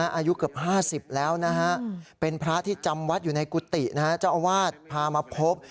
อายุเกือบ๕๐แล้วนะฮะเป็นพระที่จำวัดอยู่ในกุฏินะฮะเจ้าอาวาสพามาพบ